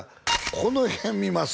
「この辺見ます」